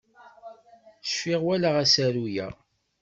Cfiɣ walaɣ asaru-a.